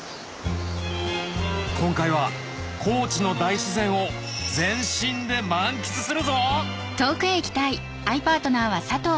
今回は高知の大自然を全身で満喫するぞ！